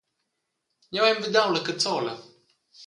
Jeu hai envidau la cazzola.